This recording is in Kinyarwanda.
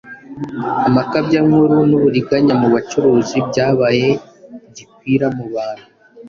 amakabyankuru n’uburiganya mu bucuruzi byabaye gikwira mu bantu